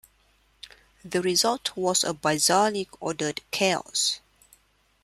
The result was a bizarrely ordered chaos.